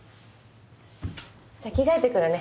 じゃあ着替えてくるね。